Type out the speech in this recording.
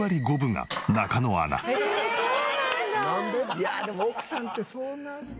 いやあでも奥さんってそうなるんだ。